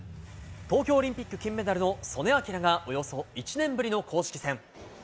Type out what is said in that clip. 東京オリンピック金メダルの素根輝がおよそ１年ぶりの公式戦。